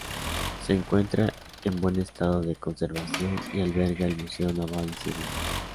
Se encuentra en buen estado de conservación y alberga el Museo Naval de Sevilla.